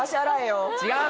違う！